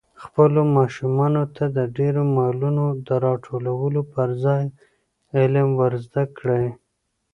خپلو ماشومانو ته د ډېرو مالونو د راټولولو پر ځای علم ور زده کړئ.